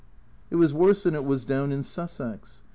It was worse than it was down in Sussex.